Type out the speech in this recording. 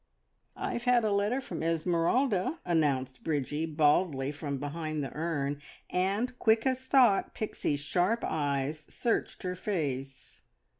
"I've had a letter from Esmeralda," announced Bridgie baldly from behind the urn, and, quick as thought, Pixie's sharp eyes searched her face.